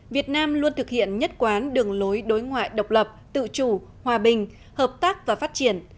việt nam luôn thực hiện nhất quán đường lối đối ngoại độc lập tự chủ hòa bình hợp tác và phát triển